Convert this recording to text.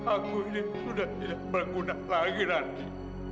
aku ini sudah tidak berguna lagi nanti